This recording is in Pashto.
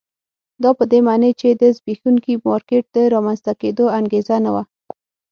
دا په دې معنی چې د زبېښونکي مارکېټ د رامنځته کېدو انګېزه نه وه.